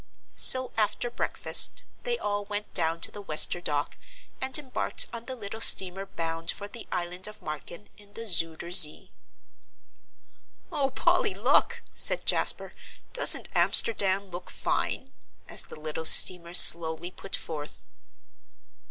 So after breakfast they all went down to the Wester dock and embarked on the little steamer bound for the island of Marken in the Zuyder Zee. "Oh, Polly, look," said Jasper, "doesn't Amsterdam look fine?" as the little steamer slowly put forth.